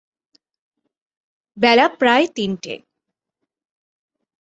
বেলা প্রায় তিনটে।